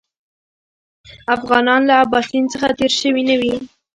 افغانان له اباسین څخه تېر شوي نه وي.